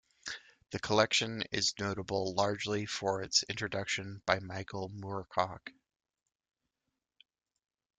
The collection is notable largely for its introduction by Michael Moorcock.